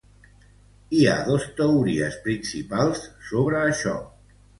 Hi ha dos teories principals sobre això.